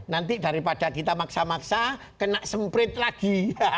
nanti daripada kita maksa maksa kena semprit lagi